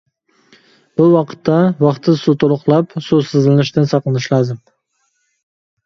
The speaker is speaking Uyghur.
بۇ ۋاقىتتا، ۋاقتىدا سۇ تولۇقلاپ، سۇسىزلىنىشتىن ساقلىنىش لازىم.